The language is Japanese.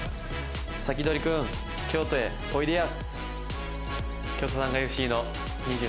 サキドリくん京都へおいでやす。